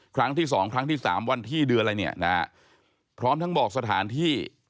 ครั้งที่สองครั้งที่สามวันที่เดือนอะไรเนี่ยนะฮะพร้อมทั้งบอกสถานที่